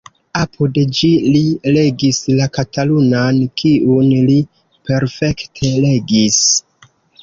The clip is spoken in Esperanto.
Apud ĝi li legis la katalunan, kiun li perfekte regis.